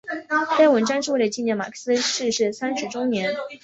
该文章是为了纪念马克思逝世三十周年。